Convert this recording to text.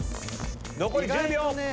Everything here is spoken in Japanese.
残り１０秒。